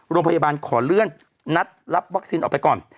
โรงพยาบาลขอเลื่อนนัดรับวัคซีนออกไปก่อน